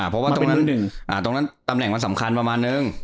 เพราะว่าตรงนั้นตรงนั้นตำแหน่งมันสำคัญประมาณนึง